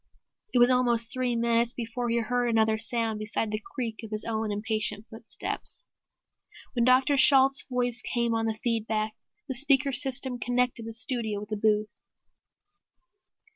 It was almost three minutes before he heard another sound beside the creak of his own impatient footsteps. Then Dr. Shalt's voice came on the feed back, the speaker system connecting the studio with the booth.